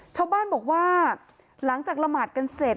ชาวบ้านบอกว่าหลังจากละหมาดกันเสร็จ